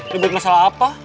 ribut masalah apa